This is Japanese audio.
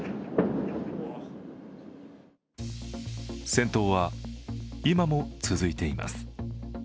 戦闘は今も続いています。